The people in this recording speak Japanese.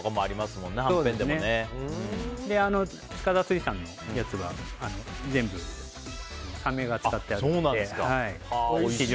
塚田水産のやつは全部サメが使ってあっておいしいです。